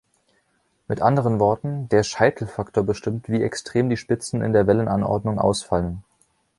Mit anderen Worten: Der Scheitelfaktor bestimmt, wie extrem die Spitzen in der Wellenanordnung ausfallen.